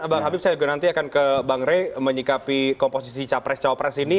bang habib saya juga nanti akan ke bang rey menyikapi komposisi capres capres ini